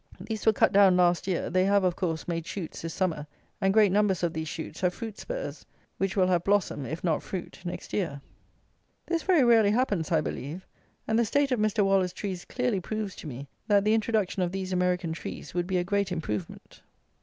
These were cut down last year; they have, of course, made shoots this summer; and great numbers of these shoots have fruit spurs, which will have blossom, if not fruit, next year. This very rarely happens, I believe; and the state of Mr. Waller's trees clearly proves to me that the introduction of these American trees would be a great improvement.